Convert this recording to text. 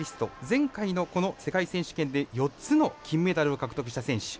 前回の、この世界選手権で４つの金メダルを獲得した選手。